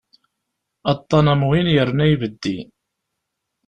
Aṭṭan am win yerna ibeddi.